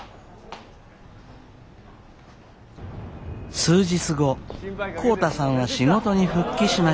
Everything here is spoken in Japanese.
数日後浩太さんは仕事に復帰しました。